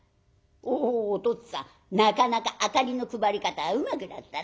「おうおとっつぁんなかなか明かりの配り方うまくなったな。